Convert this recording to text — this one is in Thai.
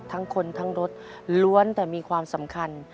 ทั้งคนทั้งรถล้วนแต่มีความสำคัญ